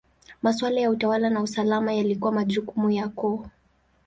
Maswala ya utawala na usalama yalikuwa majukumu ya koo.